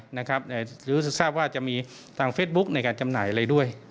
หรือจะทราบว่าจะมีทางเฟซบุ๊กในการจำหน่ายอะไรด้วย